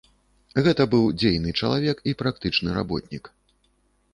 Гэта быў дзейны чалавек і практычны работнік.